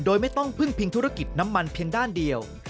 โดยไม่ต้องพึ่งพิงธุรกิจน้ำมันเพียงด้านเดียว